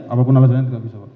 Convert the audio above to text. apapun alasannya tidak bisa pak